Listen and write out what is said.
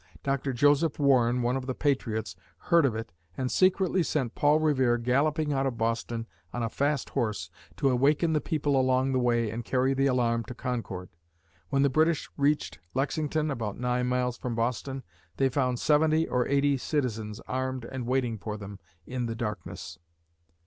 Dr. Joseph Warren, one of the patriots, heard of it and secretly sent Paul Revere galloping out of Boston on a fast horse to awaken the people along the way and carry the alarm to Concord. When the British reached Lexington (about nine miles from Boston), they found seventy or eighty citizens armed and waiting for them in the darkness!